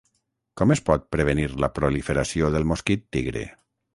Com es pot prevenir la proliferació del mosquit tigre?